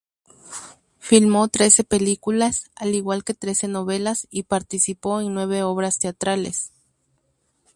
Filmó trece películas, al igual que trece novelas y participó en nueve obras teatrales.